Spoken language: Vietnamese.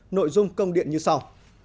nội dung công điện như sau